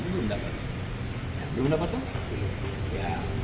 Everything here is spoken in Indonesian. sebelum dapat tuh